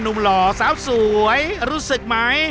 หนูหล่อเสาสวยรู้สึกไหม